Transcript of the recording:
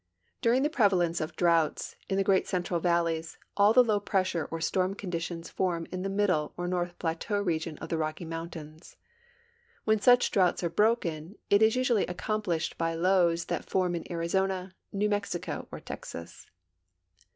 During tbe |)revalence of droughts in the great central valleys all the l()w [)ressure or storm conditions form in the middle or north plateau region of the Rocky mountains. When such droughts are broken, it is usually accomiilished by lows tbat form in Arizona, New Mexico, or Texas.